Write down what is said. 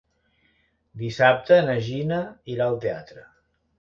Dissabte na Gina irà al teatre.